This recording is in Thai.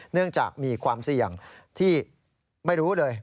เนื่องจากมีความเสี่ยงที่ไม่รู้เลย